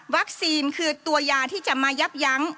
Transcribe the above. คือตัวยาที่จะมายับยั้ง